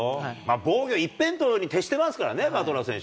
防御一辺倒に徹してますからね、バトラー選手。